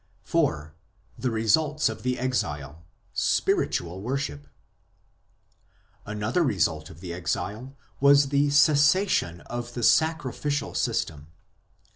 IV. THE RESULTS or THE EXILE : SPIRITUAL WORSHIP Another result of the Exile was the cessation of the sacrificial system.